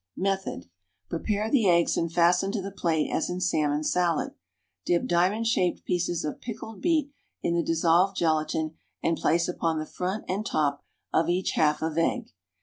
Method. Prepare the eggs and fasten to the plate as in salmon salad. Dip diamond shaped pieces of pickled beet in the dissolved gelatine and place upon the front and top of each half of egg.